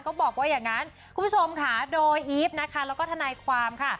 คุณผู้ชมค่ะโดยอีฟนะคะแล้วก็ทนายความค่ะ